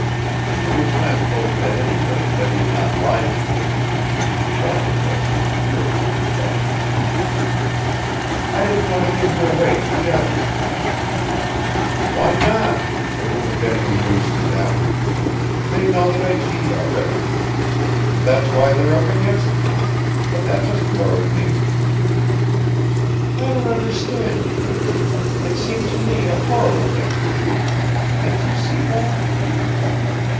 She was thankful, at any rate, that he had not lied to her. That was what she had fearfully expected. "I didn't want to give you away to the others." "Why not? It wouldn't have been any news to them. They know that I cheat already. That's why they're up against me. But that doesn't worry me." "I don't understand you. It seemed to me a horrible thing to do. Can't you see that?"